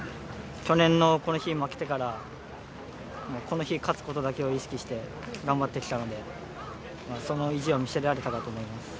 去年のこの日で負けてから、この日を勝つことだけを意識して頑張ってきたので、その意地を見せられたと思います。